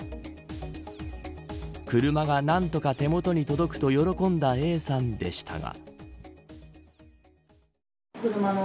車が何とか手元に届くと喜んだＡさんでしたが。